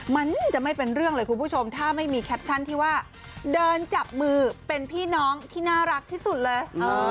มันจะไม่เป็นเรื่องเลยคุณผู้ชมถ้าไม่มีแคปชั่นที่ว่าเดินจับมือเป็นพี่น้องที่น่ารักที่สุดเลย